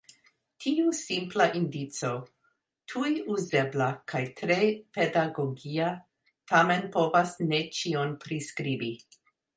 Tiu simpla indico, tuj uzebla kaj tre pedagogia tamen povas ne ĉion priskribi.